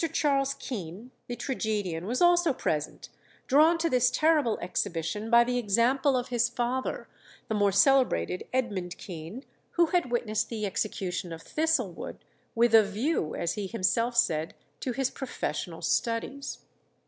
Charles Kean the tragedian was also present, drawn to this terrible exhibition by the example of his father, the more celebrated Edmund Kean, who had witnessed the execution of Thistlewood "with a view," as he himself said, "to his professional studies."